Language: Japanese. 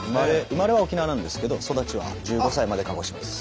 生まれは沖縄なんですけど育ちは１５歳まで鹿児島です。